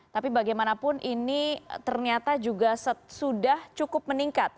tapi bagaimanapun ini ternyata juga sudah cukup meningkat